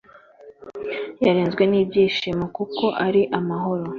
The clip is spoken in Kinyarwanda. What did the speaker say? Yarenzwe n’ibyishimo kuko ari amahoro